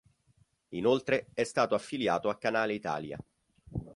Inoltre è stato affiliato a Canale Italia.